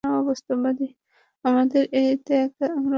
তোমাদের এই ত্যাগ আমরা কখনও ভুলব না।